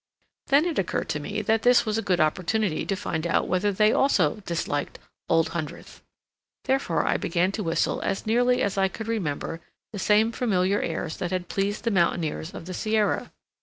Then it occurred to me that this was a good opportunity to find out whether they also disliked "Old Hundredth." Therefore I began to whistle as nearly as I could remember the same familiar airs that had pleased the mountaineers of the Sierra.